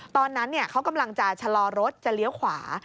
ตอนนั้นเขากำลังจะชะลอรถจะเลี้ยวขวา